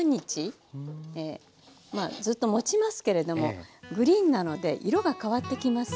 まあずっともちますけれどもグリーンなので色が変わってきます。